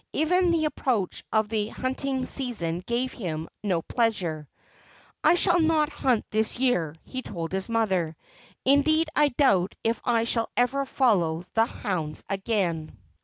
Even the approach of the hunting season gave him no pleasure. ' I shall not hunt this year,' he told his mother. ' Indeed I doubt if T shall ever follow the hounds again.'